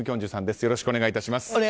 よろしくお願いします。